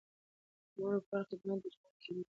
د مور او پلار خدمت د جنت کیلي ده.